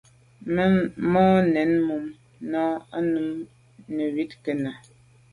Màa nèn mum nà i num neywit kena.